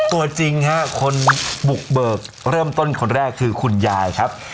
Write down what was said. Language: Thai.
ตัวจริงฮะคนบุกเบิกเริ่มต้นคนแรกคือคุณยายครับ